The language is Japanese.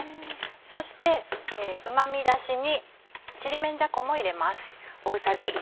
そしてうまみ出しにちりめんじゃこも入れます。